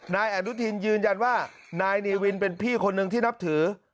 นายอนุทินยืนยันว่านายเนวินเป็นพี่คนนึงที่นับถือ